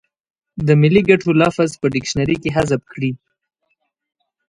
د ملي ګټو لفظ په ډکشنري کې حذف کړي.